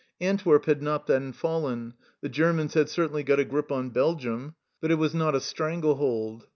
Antwerp had not then fallen ; the Germans had certainly got a grip on Belgium, but it was not a strangle hold.